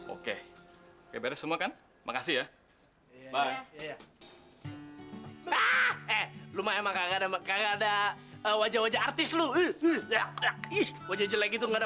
oke oke beres semua kan makasih ya